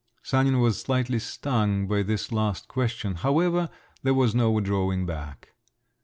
Sanin was slightly stung by this last question…. However, there was no drawing back.